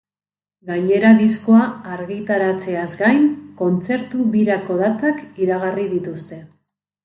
Gainera, diskoa argitaratzeaz gain, kontzertu-birako datak iragarri dituzte.